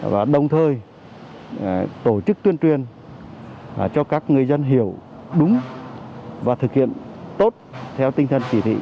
và đồng thời tổ chức tuyên truyền cho các người dân hiểu đúng và thực hiện tốt theo tinh thần chỉ thị một mươi năm